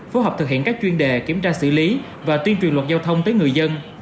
phối hợp thực hiện các chuyên đề kiểm tra xử lý và tuyên truyền luật giao thông tới người dân